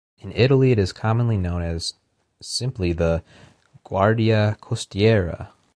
In Italy, it is commonly known as simply the "Guardia costiera".